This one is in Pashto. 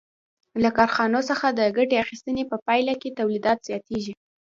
له کارخانو څخه د ګټې اخیستنې په پایله کې تولیدات زیاتېږي